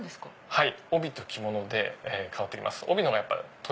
はい。